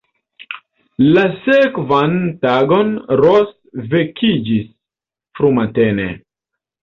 La sekvan tagon Ros vekiĝis frumatene.